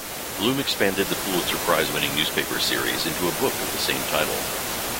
Blum expanded the Pulitzer Prize-winning newspaper series into a book of the same title.